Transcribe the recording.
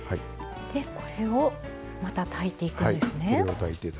これを、また炊いていくんですね。